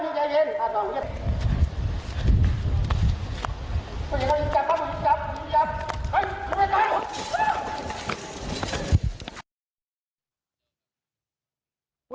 พี่ใจเย็นครับพี่ใจเย็น